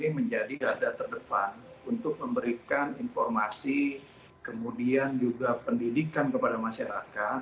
menjadi garda terdepan untuk memberikan informasi kemudian juga pendidikan kepada masyarakat